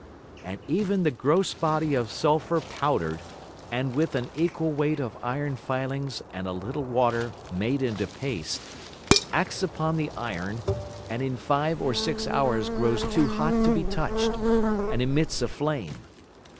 And even the gross Body of Sulphur powder'd, and with an equal weight of Iron Filings and a little Water made into Paste, acts upon the Iron, and in five or six hours grows too hot to be touch'd, and emits a Flame.